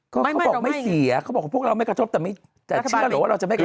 ก็เขาบอกไม่เสียเขาบอกพวกเราไม่กระทบแต่ไม่แต่เชื่อเลยว่าเราจะไม่กระทบ